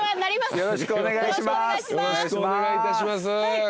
よろしくお願いします。